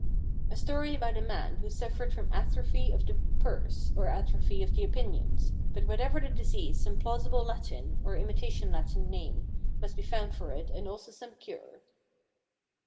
A story about a man who suffered from atrophy of the purse, or atrophy of the opinions; but whatever the disease some plausible Latin, or imitation Latin name must be found for it and also some cure.